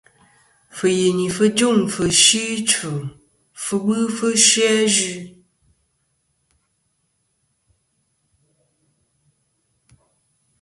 Fɨ̀yìnì fɨ jûŋfɨ̀ fsɨ ɨchfɨ, fɨ bɨfɨ fsɨ azue.